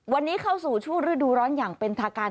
วันนี้เข้าสู่ช่วงฤดูร้อนอย่างเป็นทางการ